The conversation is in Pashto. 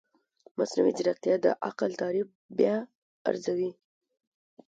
مصنوعي ځیرکتیا د عقل تعریف بیا ارزوي.